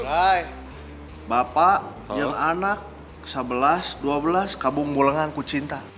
baik bapak yang anak sebelas dua belas kabung bulengan ku cinta